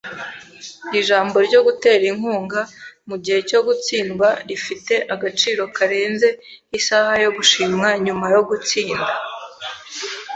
Ijambo ryo gutera inkunga mugihe cyo gutsindwa rifite agaciro karenze isaha yo gushimwa nyuma yo gutsinda.